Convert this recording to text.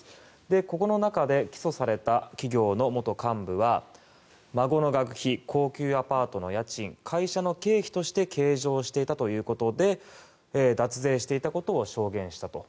ここの中で起訴された企業の元幹部は孫の学費、高級アパートの家賃会社の経費として計上していたということで脱税していたことを証言したと。